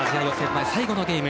前最後のゲーム。